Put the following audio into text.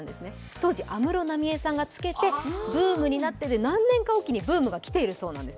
当時、安室奈美恵さんがつけてブームになって何年かおきにブームが来ているそうなんです。